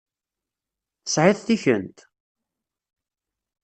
Tesεiḍ tikent?